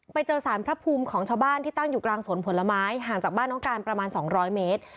ไปเจอสารพระภูมิของชาวบ้านที่ตั้งอยู่กลางสวนผลไม้ห่างจากบ้านน้องการประมาณ๒๐๐เมตร